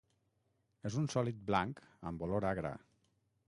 És un sòlid blanc amb olor agra.